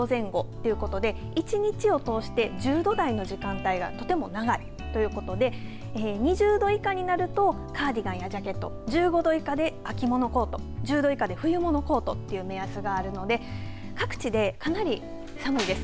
ということで１日を通して１０度台の時間帯がとても長いということで２０度以下になるとカーディガンやジャケット１５度以下で秋物コート１０度以下で冬物コートという目安があるので各地でかなり寒いです。